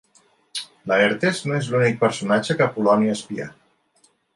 Laertes no és l'únic personatge que Poloni espia.